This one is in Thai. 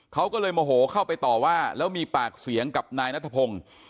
เขาก็เลยโมโหเข้าไปต่อว่าแล้วมีปากเสียงกับนายนัทพงศ์